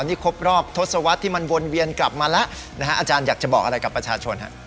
นี่ครบรอบทศวรรษที่มันวนเวียนกลับมาแล้วนะฮะอาจารย์อยากจะบอกอะไรกับประชาชนฮะ